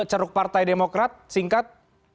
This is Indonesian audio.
ceruk partai demokrat singkat